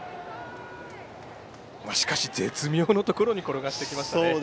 しかし絶妙なところに転がしてきましたね。